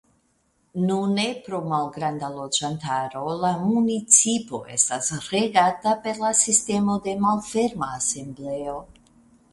Nune pro malgranda loĝantaro la municipo estas regata per la sistemo de malferma asembleo.